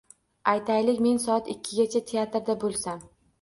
Aytaylik, men soat ikkigacha teatrda bo‘lsam.